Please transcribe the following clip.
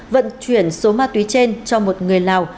vận chuyển số ma túy trên cho một người lào